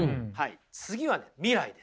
次はね未来です。